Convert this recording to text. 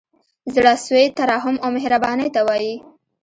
زړه سوی ترحم او مهربانۍ ته وايي.